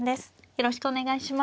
よろしくお願いします。